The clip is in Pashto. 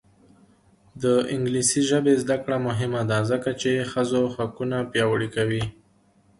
د انګلیسي ژبې زده کړه مهمه ده ځکه چې ښځو حقونه پیاوړي کوي.